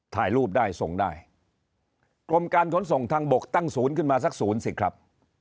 ถ่ายรูปได้ส่งได้กรมการขนส่งทางบกตั้งศูนย์ขึ้นมาสักศูนย์สิครับ